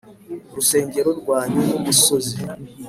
rusengo rwa nyirumusozi